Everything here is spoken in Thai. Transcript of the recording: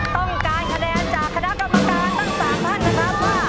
ต้องการคะแนนจากคณะกรรมการทั้ง๓ท่านนะครับว่า